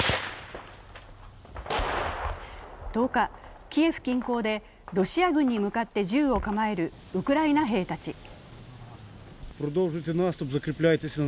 １０日、キエフ近郊でロシア軍に向かって銃を構えるウクライナ兵たち。